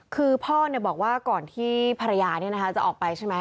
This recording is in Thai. คือพ่อบอกว่าก่อนที่ภรรยาจะออกไปใช่ไหม